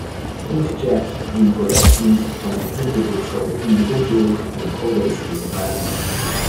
Inkjet reproductions can be printed and sold individually in accordance with demand.